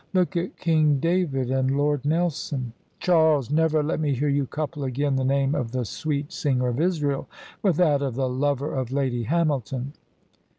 Look at King David and Lord Nelson." " Charles, never let me hear you couple again the name of the Sweet Singer of Israel with that of the lover of Lady Hamilton."